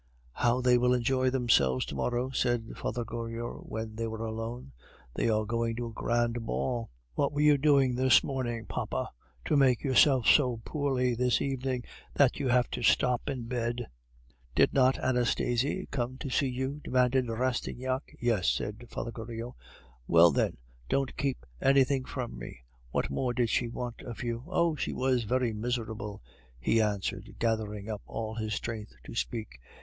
"How they will enjoy themselves to morrow," said Father Goriot when they were alone. "They are going to a grand ball." "What were you doing this morning, papa, to make yourself so poorly this evening that you have to stop in bed?" "Nothing." "Did not Anastasie come to see you?" demanded Rastignac. "Yes," said Father Goriot. "Well, then, don't keep anything from me. What more did she want of you?" "Oh, she was very miserable," he answered, gathering up all his strength to speak.